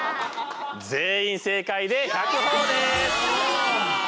全員正解で１００ほぉです！